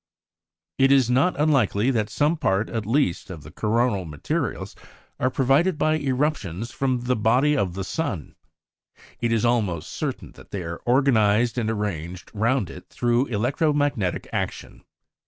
It is not unlikely that some part, at least, of the coronal materials are provided by eruptions from the body of the sun; it is almost certain that they are organized and arranged round it through electro magnetic action.